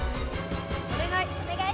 お願い。